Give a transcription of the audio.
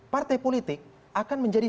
partai politik akan menjadi